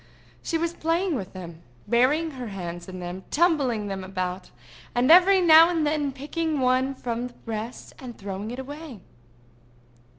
She was playing with them—burying her hands in them, tumbling them about, and every now and then picking one from the rest, and throwing it away.